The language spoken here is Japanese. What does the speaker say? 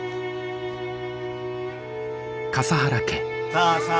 さあさあ